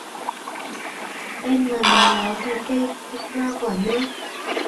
em mà nói láo thì cây không ra quả nữa